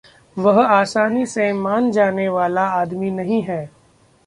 वह आसानी से मान जाने वाला आदमी नहीं है।